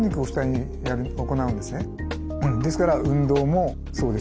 ですから運動もそうです。